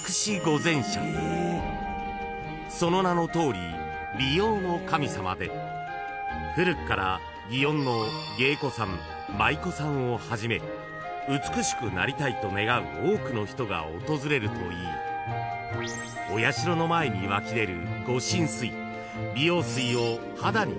［その名のとおり美容の神様で古くから祇園の芸妓さん舞妓さんをはじめ美しくなりたいと願う多くの人が訪れるといいお社の前に湧き出る］